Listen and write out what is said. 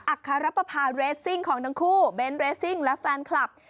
อาคารปภาเรสซิ่งของทั้งคู่เบนท์เรซิ่งและแฟนคลับ